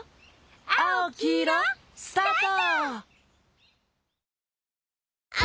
「あおきいろ」スタート！